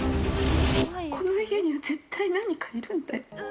この家には絶対何かがいるんだよ。